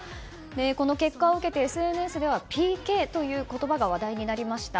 この結果を受けてＳＮＳではＰＫという言葉が話題になりました。